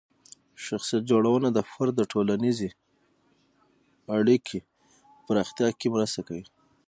شخصیت جوړونه د فرد د ټولنیزې اړیکو په پراختیا کې مرسته کوي.